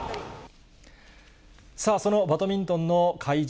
さあ、そのバドミントンの会場